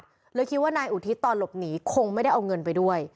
จบ๗๐๐บาทหรือที่ว่านายอุทิศตอนหลบหนีคงไม่ได้เอาเงินไปด้วย